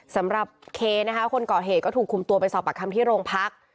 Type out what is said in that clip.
สำหรับเคนะคะคนก่อเหตุก็ถูกคุมตัวไปสอบปากคำที่โรงพัก